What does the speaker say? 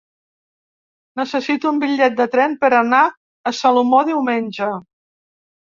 Necessito un bitllet de tren per anar a Salomó diumenge.